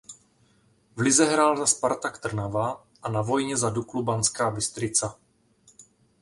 V lize hrál za Spartak Trnava a na vojně za Duklu Banská Bystrica.